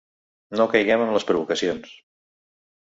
No caiguem en les provocacions.